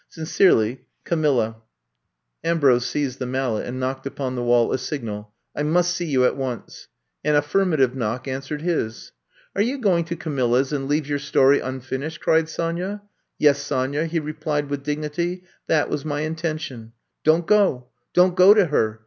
Sincerely, ^^Camhja." 98 I'VE COMB TO STAY Ambrose seized the mallet and knocked upon the wall a signal: I must see you at once.'' An aflSrmative knock answered his. Are you going to Camilla's and leave your story unfinished!" cried Sonya. Yes, Sonya," he replied with dignity. That was my intention." Don 't go ; don 't go to her.